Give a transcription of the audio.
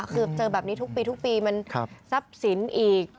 คือเจอแบบนี้ทุกปีมันซับสินอีก